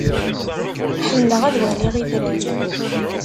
Ḥemmleɣ ad waliɣ itran.